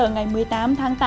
ngày một mươi tám tháng tám